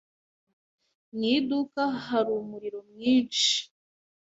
Mu iduka hari umuriro mwinshi.